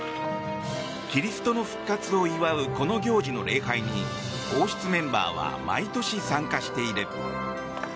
キリストの復活を祝うこの行事の礼拝に王室メンバーは毎年参加している。